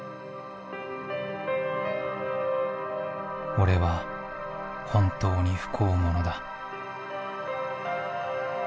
「俺は本当に不孝者だ」。